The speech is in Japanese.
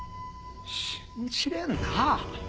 信じれんなあ。